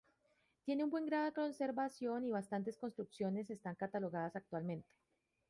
Tiene un buen grado de conservación y bastantes construcciones están catalogadas actualmente.